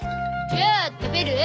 じゃあ食べる？